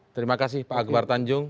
terima kasih pak akbar tanjung